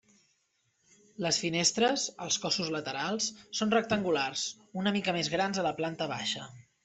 Les finestres, als cossos laterals, són rectangulars, una mica més grans a la planta baixa.